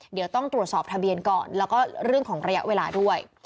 เดี๋ยวต้องตรวจสอบทะเบียนก่อนแล้วก็เรื่องของระยะเวลาด้วย